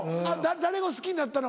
誰を好きになったの？